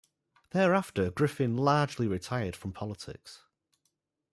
Thereafter, Griffin largely retired from politics.